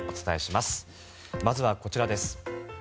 まずは、こちらです。